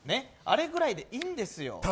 あれぐらいでいいんですよ。